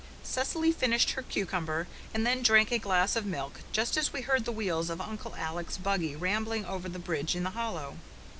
Cecily finished her cucumber, and then drank a glass of milk, just as we heard the wheels of Uncle Alec's buggy rambling over the bridge in the hollow.